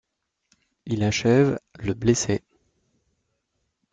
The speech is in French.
Il achève le blessé.